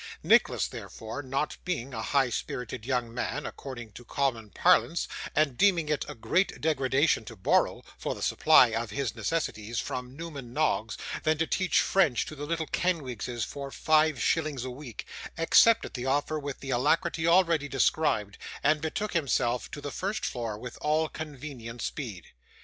Nicholas, therefore, not being a high spirited young man according to common parlance, and deeming it a greater degradation to borrow, for the supply of his necessities, from Newman Noggs, than to teach French to the little Kenwigses for five shillings a week, accepted the offer with the alacrity already described, and betook himself to the first floor with all convenient speed.